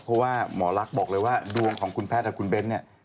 เพราะว่าหมอลักษณ์บอกเลยว่าดวงของคุณแพทย์กับคุณเบ้นเนี่ย